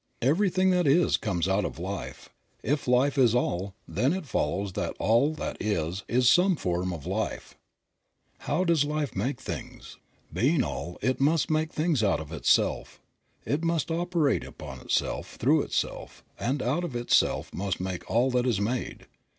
Everything that is comes out of life. If life is all then it follows that all that is is some form of life. 72 Creative Mind. How does Life make things? Being all, it must make things out of itself. It must operate upon itself, through itself, and out of itself must make all that is made.